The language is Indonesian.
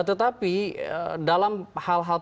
tetapi dalam hal hal penguasaan basis data